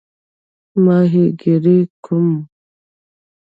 ماهیګیري کوم؟